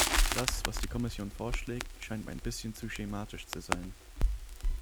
Das, was die Kommission vorschlägt, scheint mir ein bisschen zu schematisch zu sein.